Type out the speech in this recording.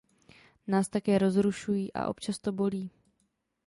Nás také rozrušují, a občas to bolí.